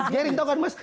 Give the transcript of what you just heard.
jering tau kan mas